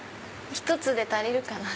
１つで足りるかな？